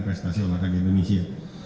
prestasi olahraga indonesia